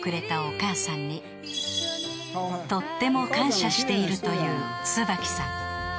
［とっても感謝しているというつばきさん］